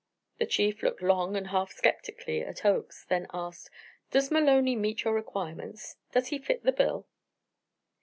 The Chief looked long and half sceptically at Oakes, then asked: "Does Maloney meet your requirements? Does he fill the bill?"